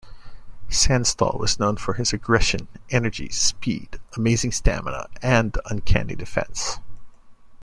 Sanstol was known for his aggression, energy, speed, amazing stamina and uncanny defense.